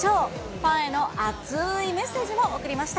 ファンへの熱いメッセージも送りました。